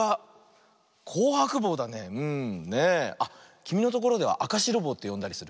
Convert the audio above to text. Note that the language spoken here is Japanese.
きみのところでは「あかしろぼう」ってよんだりする？